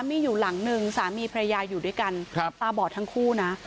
มีอยู่หลังหนึ่งสามีพระยาอยู่ด้วยกันตาบอดทั้งคู่นะ